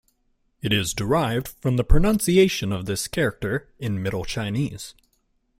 It is derived from the pronunciation of this character in Middle Chinese.